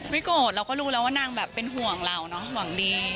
โกรธเราก็รู้แล้วว่านางแบบเป็นห่วงเราเนอะหวังดี